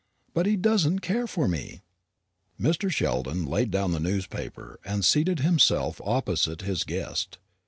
But he doesn't care for me." Mr Sheldon laid down the newspaper, and seated himself opposite his guest.